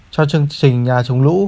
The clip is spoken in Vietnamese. cho chương trình nhà chống lũ